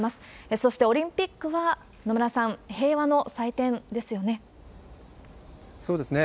そして、オリンピックは野村さん、平和の祭典ですよね。